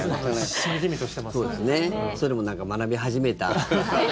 それも何か学び始めた。